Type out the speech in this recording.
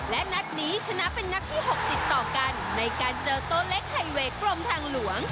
และนัดนี้ชนะเป็นนัดที่๖ติดต่อกันในการเจอโต๊เล็กไฮเวย์กรมทางหลวง